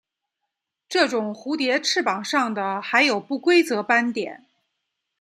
这种蝴蝶翅膀上的还有不规则斑点。